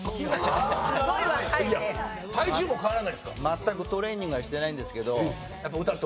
全くトレーニングはしてないんですけど。